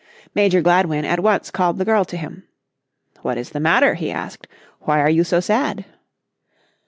Major Gladwin at once called the girl to him. "What is the matter?" he asked. "Why are you so sad?"